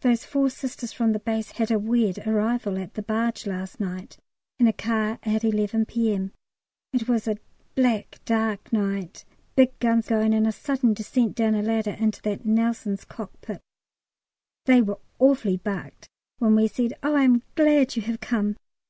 Those four Sisters from the base had a weird arrival at the barge last night in a car at 11 P.M. It was a black dark night, big guns going, and a sudden descent down a ladder into that Nelson's cockpit. They were awfully bucked when we said, "Oh, I am glad you have come."